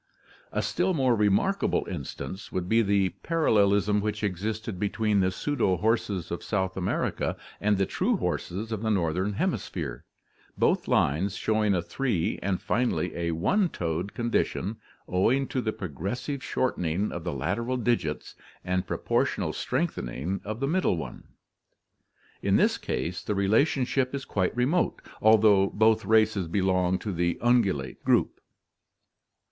A still more remarkable instance would be the parallelism which existed between the pseudo horses of South America and the true horses of the northern hemi sphere, both lines showing a three and finally a one toed condition owing to the progressive shorten ing of the lateral digits and pro portional strengthening of the middle one (see Fig. 23). In this case the relationship is quite re mote, although both races belong to the ungulate group.